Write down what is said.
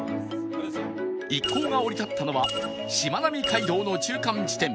一行が降り立ったのはしまなみ海道の中間地点